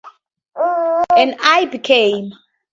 And I became.